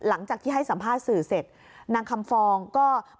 อันนี้ถอดเพื่อดูอะไรหรือครับ